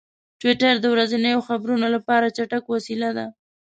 ټویټر د ورځنیو خبرونو لپاره چټک وسیله ده.